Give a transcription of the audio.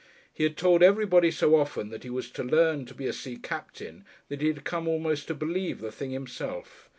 He had told everybody so often that he was to learn to be a sea captain that he had come almost to believe the thing himself.